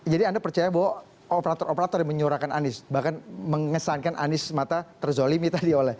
jadi anda percaya bahwa operator operator yang menyuarakan anies bahkan mengesankan anies mata terzolimi tadi oleh